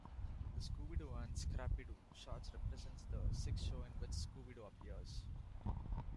The "Scooby-Doo and Scrappy-Doo" shorts represents the sixth show in which Scooby-Doo appears.